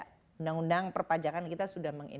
undang undang perpajakan kita sudah